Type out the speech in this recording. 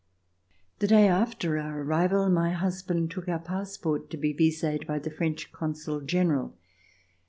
The day after our arrival my husband took our passport to be vised by the French Consul General.